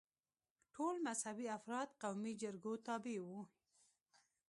ټول مذهبي افراد قومي جرګو تابع وي.